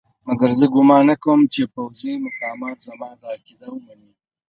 مګر زه ګومان نه کوم چې پوځي مقامات زما دا عقیده ومني.